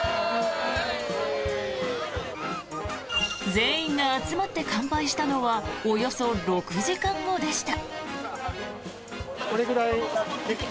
全員が集まって乾杯したのはおよそ６時間後でした。